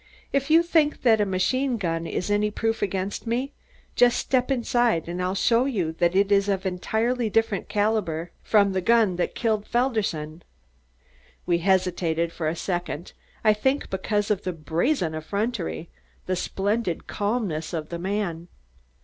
If you think that machine gun is any proof against me, just step inside and I'll show you that it is of an entirely different caliber from the gun that killed Felderson." We hesitated for a second, I think because of the brazen effrontery, the splendid calmness of the man.